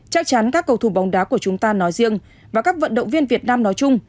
chắc chắn các cầu thủ bóng đá của chúng ta nói riêng và các vận động viên việt nam nói chung